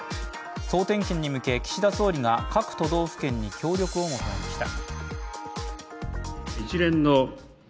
総点検に向け、岸田総理が各都道府県に協力を求めました。